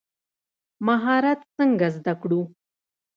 مهارت څنګه زده کړو؟